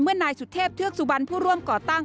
นายสุเทพเทือกสุบันผู้ร่วมก่อตั้ง